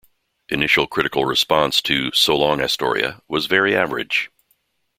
Initial critical response to "So Long, Astoria" was very average.